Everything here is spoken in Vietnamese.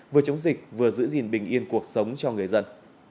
vừa chống dịch vừa giữ gìn bình yên cuộc sống cho người dân